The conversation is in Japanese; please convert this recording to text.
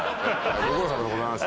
ご苦労さんでございました。